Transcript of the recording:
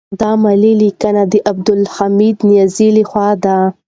دا مالي لیکنه د عبدالحمید نیازی لخوا ده.